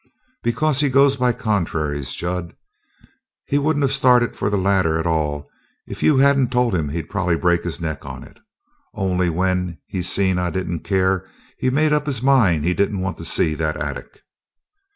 "Because he goes by contraries, Jud. He wouldn't of started for the ladder at all, if you hadn't told him he'd probably break his neck on it. Only when he seen I didn't care, he made up his mind he didn't want to see that attic."